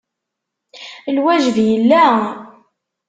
Lwajeb yella.